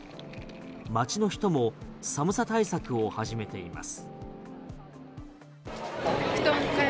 街の人も寒さ対策を始めています。